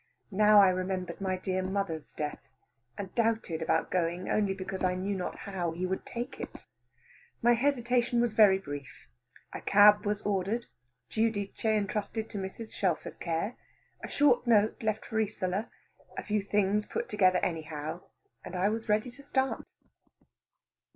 Now I remembered my dear mother's death, and doubted about going only because I knew not how he would take it. My hesitation was very brief. A cab was ordered, Giudice entrusted to Mrs. Shelfer's care, a short note left for Isola, a few things put together anyhow, and I was ready to start.